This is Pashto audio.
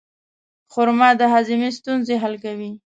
خرما د هاضمې ستونزې حل کوي.